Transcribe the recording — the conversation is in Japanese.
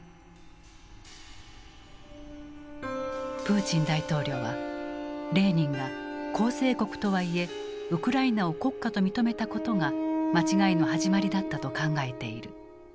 プーチン大統領はレーニンが構成国とはいえウクライナを国家と認めたことが間違いの始まりだったと考えている。